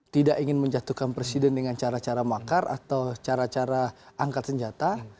tidak ingin menjatuhkan presiden dengan cara cara makar atau cara cara angkat senjata